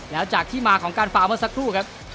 แล้วจากที่มาของการฟาวเมื่อสักครู่ครับ